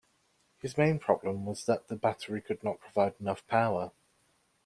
His main problem was that the battery could not provide enough power.